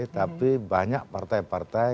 tapi banyak partai partai